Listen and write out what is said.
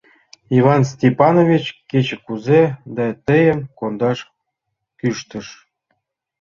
Иван Степанович кеч-кузе да тыйым кондаш кӱштыш...